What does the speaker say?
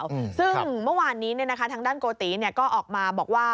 ซึ่งเมื่อวานนี้ทางด้านโกติก็ออกมาบอกว่า